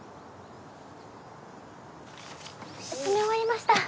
集め終わりました。